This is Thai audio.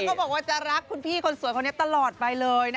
แล้วก็บอกว่าจะรักคุณพี่คนสวยคนนี้ตลอดไปเลยนะคะ